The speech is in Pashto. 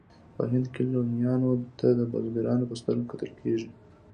په هند کې لیونیانو ته د بزرګانو په سترګه کتل کېدل.